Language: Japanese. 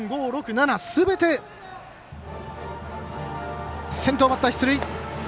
７すべて、先頭バッター出塁。